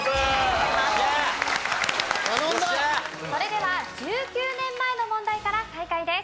それでは１９年前の問題から再開です。